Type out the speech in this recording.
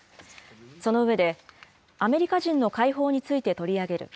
その上で、アメリカ人の解放について取り上げる。